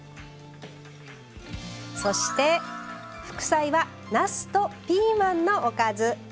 そして副菜はなすとピーマンのおかず。